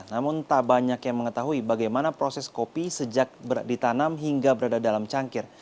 namun tak banyak yang mengetahui bagaimana proses kopi sejak ditanam hingga berada dalam cangkir